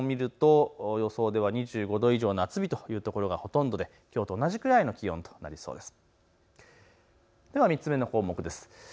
最高気温を見ると予想では２５度以上、夏日という所がほとんどできょうと同じくらいの気温ということになりそうです。